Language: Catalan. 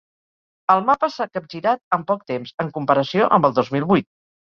El mapa s’ha capgirat en poc temps en comparació amb el dos mil vuit.